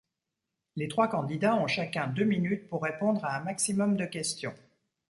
Les trois candidats ont chacun deux minutes pour répondre à un maximum de questions.